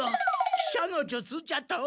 喜車の術じゃと？